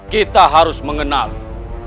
kita harus mengenali